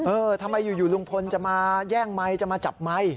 เออทำไมอยู่ลุงพลจะมาย่งไม้จะมาจับไม้